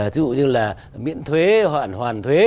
ví dụ như là miễn thuế hoàn thuế